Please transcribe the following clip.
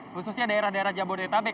khususnya daerah daerah jabodetabek